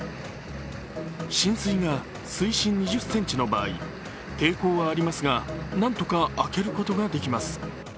浸水が水深２０ｃｍの場合、抵抗はありますが何とか開けることができます。